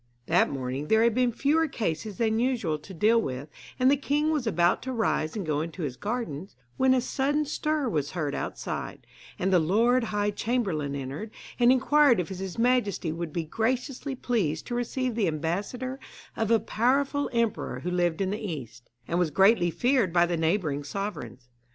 That morning there had been fewer cases than usual to deal with, and the king was about to rise and go into his gardens, when a sudden stir was heard outside, and the lord high chamberlain entered, and inquired if his majesty would be graciously pleased to receive the ambassador of a powerful emperor who lived in the east, and was greatly feared by the neighbouring sovereigns.